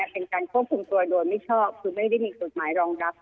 เป็นการควบคุมตัวโดยไม่ชอบคือไม่ได้มีกฎหมายรองรับ